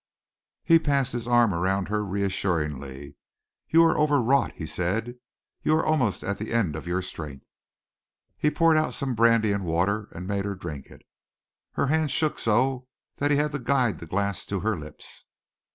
He passed his arm around her reassuringly. "You are overwrought," he said. "You are almost at the end of your strength." He poured out some brandy and water, and made her drink it. Her hand shook so that he had to guide the glass to her lips.